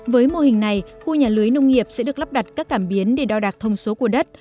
với mô hình này khu nhà lưới nông nghiệp sẽ được lắp đặt các cảm biến để đo đạc thông số của đất